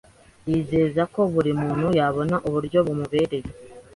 yizeza ko buri muntu yabona uburyo bumubereye